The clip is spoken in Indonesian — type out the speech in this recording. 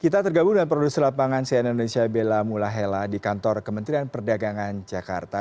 kita tergabung dengan produser lapangan cn indonesia bella mulahela di kantor kementerian perdagangan jakarta